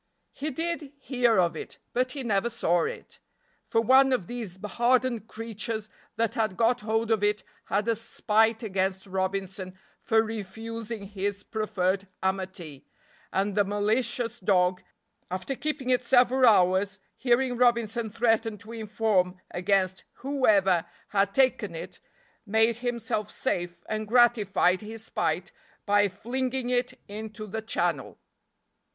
He did hear of it, but he never saw it; for one of these hardened creatures that had got hold of it had a spite against Robinson for refusing his proffered amity, and the malicious dog, after keeping it several hours, hearing Robinson threaten to inform against whoever had taken it, made himself safe and gratified his spite by flinging it into the Channel.